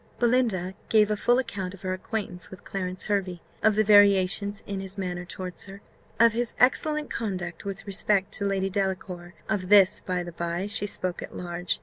Belinda gave a full account of her acquaintance with Clarence Hervey; of the variations in his manner towards her; of his excellent conduct with respect to Lady Delacour (of this, by the by, she spoke at large).